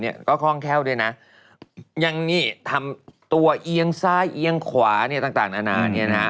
ยังนี่ทำตัวเอียงทรายเอียงขวาเนี้ยต่างอ่านาเนี้ยฮะ